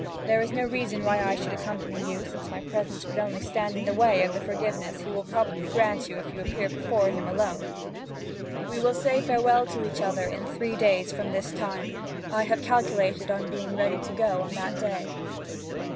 There is no reason why I should accompany you, since my presence would only stand in the way of the forgiveness he will probably grant you if you appear before him alone. We will say farewell to each other in three days from this time. I have calculated on being ready to go on that day.'